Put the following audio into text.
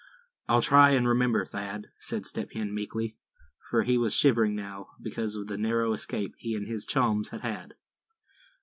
"I'll try and remember, Thad," said Step Hen, meekly, for he was shivering now, because of the narrow escape he and his chums had had.